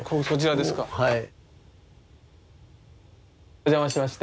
お邪魔しまして。